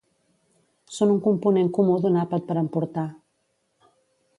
Són un component comú d'un àpat per emportar.